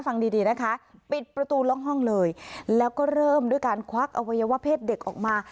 ฟังดีดีนะคะปิดประตูล็อกห้องเลยแล้วก็เริ่มด้วยการควักอวัยวะเพศเด็กออกมา